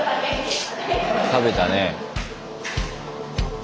食べたね。